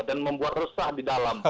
dan membuat rusak di dalam